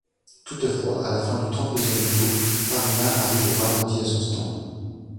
Toutefois, à la fin du trente-deuxième tour, Farina arrive au ralenti à son stand.